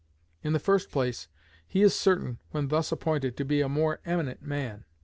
In the first place, he is certain, when thus appointed, to be a more eminent man.